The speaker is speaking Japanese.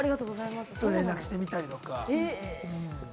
連絡してみたりとか。